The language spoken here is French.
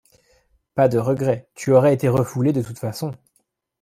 Pas de regret, tu aurais été refoulé, de toute façon!